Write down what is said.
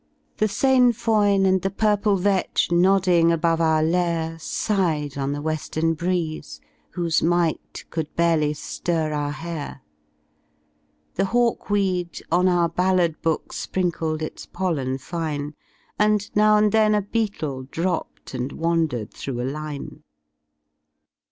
The sainfoin and the purple vetch Nodding above our lair Sighed on the weSiern breeze ^ whose might Could barely liir our hair. The hawkweed on our ballad book Sprinkled its pollen fine ^ And now and then a beetle dropped And wandered through a line.